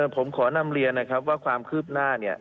ผมขอนำเรียนนะครับว่าความคืบหน้าเนี่ย